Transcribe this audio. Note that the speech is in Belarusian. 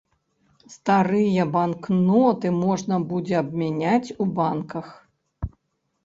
Старыя банкноты можна будзе абмяняць у банках.